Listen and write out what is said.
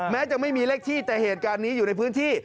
แม้จะไม่มีเลขที่แต่เหตุการณ์นี้อยู่ในพื้นที่